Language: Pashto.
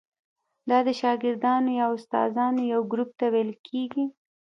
دا د شاګردانو یا استادانو یو ګروپ ته ویل کیږي.